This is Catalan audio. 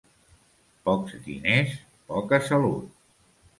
Pocs diners, poca salut.